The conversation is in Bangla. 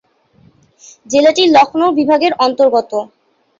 জেলাটি লখনউ বিভাগের অন্তর্গত।